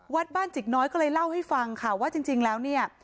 วัดบ้านจิกน้อยก็เลยเล่าให้ฟังค่ะว่าจริงแล้วเนี่ย